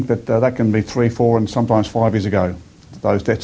tapi saya pikir itu bisa menjadi tiga empat dan kadang lima tahun lalu